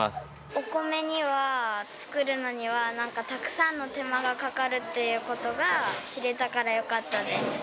お米には作るのにはたくさんの手間がかかるっていうことが知れたからよかったです。